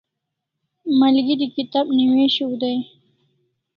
Malgeri kitab newishiu dai